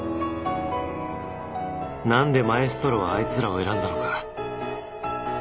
何でマエストロはあいつらを選んだのか